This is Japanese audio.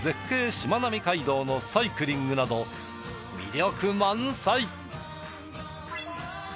しまなみ海道のサイクリングなど魅力満載！